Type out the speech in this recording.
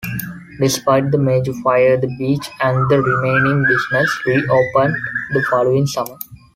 Despite the major fire, the beach and the remaining businesses reopened the following summer.